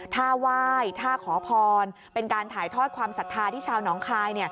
ถ้าไหว้ท่าขอพรเป็นการถ่ายทอดความศรัทธาที่ชาวหนองคาย